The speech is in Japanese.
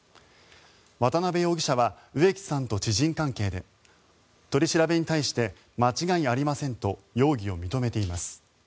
渡部容疑者は植木さんと知人関係で取り調べに対して間違いありませんと容疑を認めています。